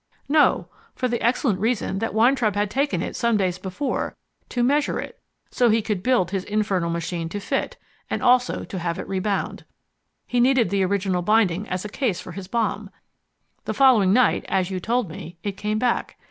"No: for the excellent reason that Weintraub had taken it some days before, to measure it so he could build his infernal machine to fit, and also to have it rebound. He needed the original binding as a case for his bomb. The following night, as you told me, it came back.